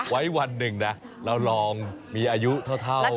วันหนึ่งนะเราลองมีอายุเท่า